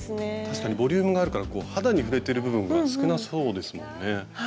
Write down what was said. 確かにボリュームがあるからこう肌に触れてる部分が少なそうですもんね。